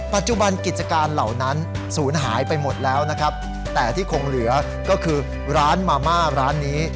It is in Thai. ปัจจุบันกิจการเหล่านั้นศูนย์หายไปหมดแล้วนะครับแต่ที่คงเหลือก็คือร้านมาม่าร้านนี้